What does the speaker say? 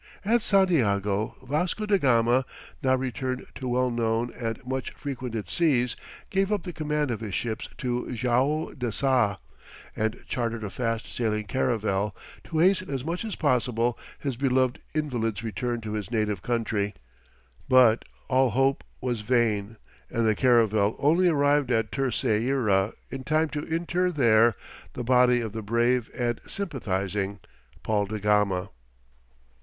At Santiago, Vasco da Gama, now returned to well known and much frequented seas, gave up the command of his ships to Joao da Saa, and chartered a fast sailing caravel, to hasten as much as possible his beloved invalid's return to his native country. But all hope was vain, and the caravel only arrived at Terceira in time to inter there the body of the brave and sympathizing Paul da Gama.